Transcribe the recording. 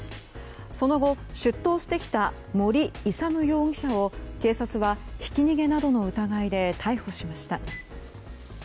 その後、出頭してきた盛勇容疑者を警察はひき逃げなどの疑いで逮捕しました。